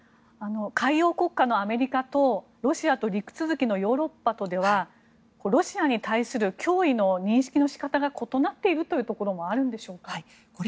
海洋国家のアメリカとロシアと陸続きのヨーロッパとではロシアに対する脅威の認識の仕方が異なっているというところもあるんでしょうか。